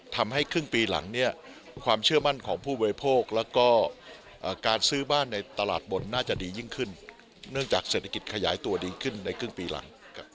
ทำให้ครึ่งปีหลังเนี่ยความเชื่อมั่นของผู้บริโภคแล้วก็การซื้อบ้านในตลาดบนน่าจะดียิ่งขึ้นเนื่องจากเศรษฐกิจขยายตัวดีขึ้นในครึ่งปีหลัง